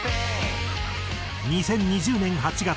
２０２０年８月